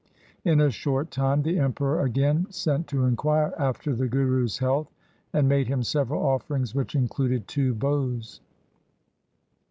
In a short time the Emperor again sent to inquire after the Guru's health and made him several offerings which included two bows.